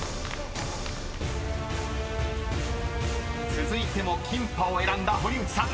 ［続いてもキンパを選んだ堀内さん。